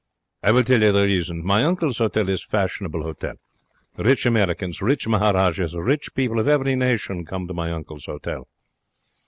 I will tell you the reason. My uncle's hotel is fashionable hotel. Rich Americans, rich Maharajahs, rich people of every nation come to my uncle's hotel.